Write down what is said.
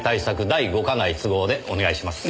第五課内都合」でお願いします。